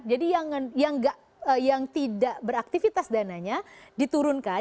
jadi yang tidak beraktivitas dananya diturunkan